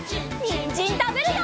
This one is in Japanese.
にんじんたべるよ！